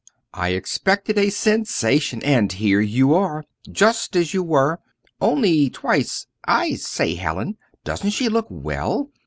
"I expected a sensation! And here you are, just as you were, only twice as I say, Hallin, doesn't she look well!"